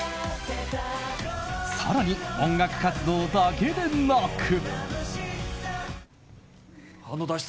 更に音楽活動だけでなく。